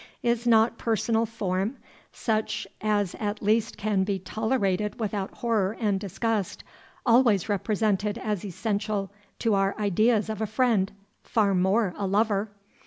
Is not personal form, such as at least can be tolerated without horror and disgust, always represented as essential to our ideas of a friend, far more a lover?